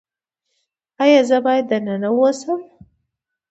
ایا زه باید دننه اوسم؟